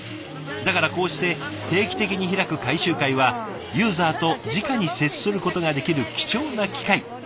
だからこうして定期的に開く回収会はユーザーとじかに接することができる貴重な機会なんですって。